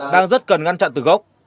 đang rất cần ngăn chặn từ gốc